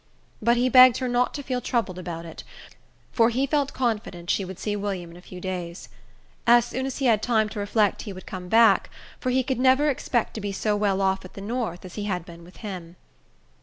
But he begged her not to feel troubled about it, for he felt confident she would see William in a few days. As soon as he had time to reflect he would come back, for he could never expect to be so well off at the north as he had been with him.